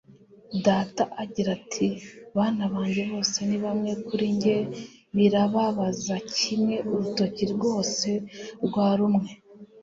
Data, agira ati: 'Bana banjye bose ni bamwe kuri njye: birababaza kimwe urutoki rwose rwarumwe.